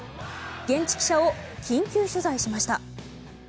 現地記者を緊急取材しました。